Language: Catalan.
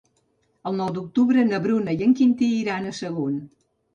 El nou d'octubre na Bruna i en Quintí iran a Sagunt.